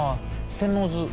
天王洲